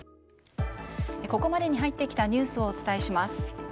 ここまで入ってきたニュースをお伝えします。